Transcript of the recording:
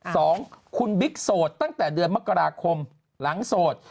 สองคุณบิ๊กโสดตั้งแต่เดือนมกราคมหลังโสด